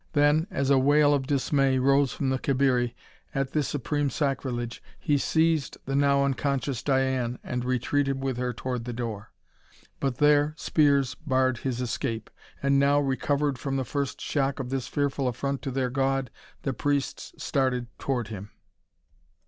Then, as a wail of dismay rose from the Cabiri, at this supreme sacrilege, he seized the now unconscious Diane and retreated with her toward the door. But there spears barred his escape; and now, recovered from the first shock of this fearful affront to their god, the priests started toward him.